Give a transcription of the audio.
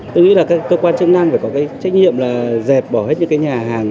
tôi nghĩ là cơ quan chức năng phải có trách nhiệm là dẹp bỏ hết những nhà hàng